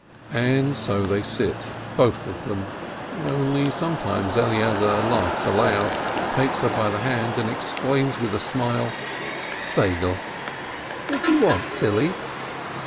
And so they sit, both of them, only sometimes Eleazar laughs aloud, takes her by the hand, and exclaims with a smile, "Feigele !" "What do you want, silly?"